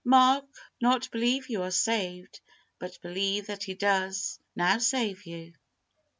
Mark, not believe you are saved, but believe that He does now save you.